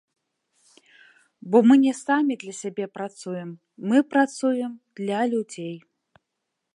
Бо мы не самі для сябе працуем, мы працуем для людзей.